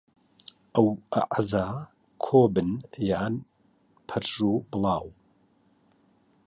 ئەو ئەعزا کۆبن یا پرژ و بڵاو